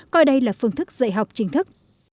coi đây là phương thức dạy học chính thức